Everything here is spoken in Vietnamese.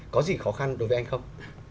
có gì khó khăn đối với anh không